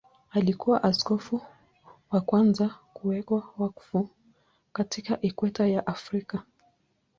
Alikuwa askofu wa kwanza kuwekwa wakfu katika Ikweta ya Afrika.